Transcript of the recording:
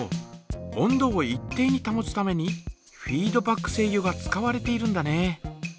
温度を一定にたもつためにフィードバック制御が使われているんだね。